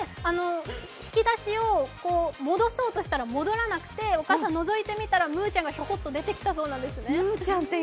引き出しを戻そうとしたら戻らなくて、お母さんのぞいてみたら、むーちゃんがひょこっと出てきたそうなんですね。